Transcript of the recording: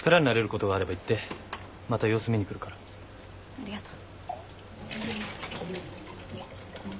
ありがとう。